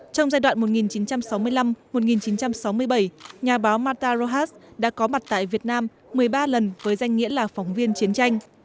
trong giai đoạn một nghìn chín trăm sáu mươi năm một nghìn chín trăm sáu mươi bảy nhà báo matarohas đã có mặt tại việt nam một mươi ba lần với danh nghĩa là phóng viên chiến tranh